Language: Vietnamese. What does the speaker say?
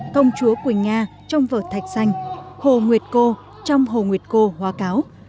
công chúa quỳnh nga trong vở thạch xanh hồ nguyệt cô trong hồ nguyệt cô hóa cáo